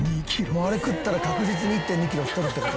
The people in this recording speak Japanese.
「もうあれ食ったら確実に１．２キロ太るって事や」